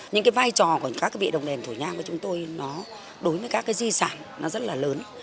nhưng cái vai trò của các vị đồng đền thổ nhang của chúng tôi nó đối với các cái di sản nó rất là lớn